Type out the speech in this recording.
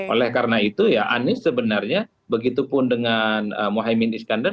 oleh karena itu anies sebenarnya begitu pun dengan mohaimin iskandar